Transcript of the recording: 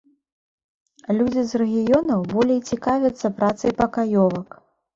Людзі з рэгіёнаў болей цікавяцца працай пакаёвак.